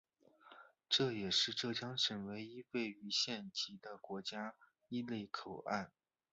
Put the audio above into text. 这也是浙江省唯一位于县级的国家一类口岸。